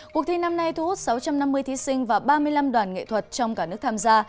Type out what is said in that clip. cuộc thi năm nay thu hút sáu trăm năm mươi thí sinh và ba mươi năm đoàn nghệ thuật trong cả nước tham gia